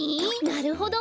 なるほど。